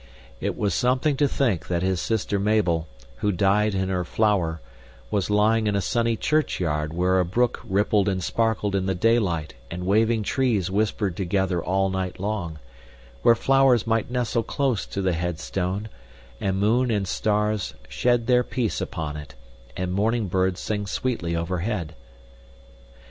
It was something to think that his sister Mabel, who died in her flower, was lying in a sunny churchyard where a brook rippled and sparkled in the daylight and waving trees whispered together all night long; where flowers might nestle close to the headstone, and moon and stars shed their peace upon it, and morning birds sing sweetly overhead.